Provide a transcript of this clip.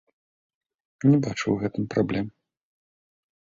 Не бачу ў гэтым праблем.